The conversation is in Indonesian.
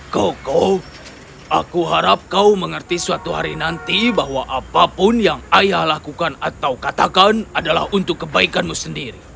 koko aku harap kau mengerti suatu hari nanti bahwa apapun yang ayah lakukan atau katakan adalah untuk kebaikanmu sendiri